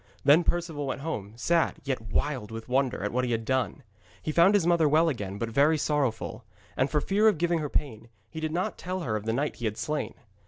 Then Perceval went home, sad, yet wild with wonder at what he had done. He found his mother well again, but very sorrowful. And for fear of giving her pain, he did not tell her of the knight he had slain.